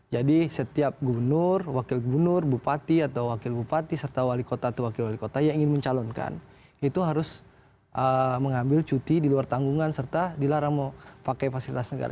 jadi setiap gubernur wakil gubernur bupati atau wakil bupati serta wali kota atau wakil wali kota yang ingin mencalonkan itu harus mengambil cuti di luar tanggungan serta dilarang mau pakai fasilitas negara